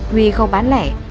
huy không bán lẻ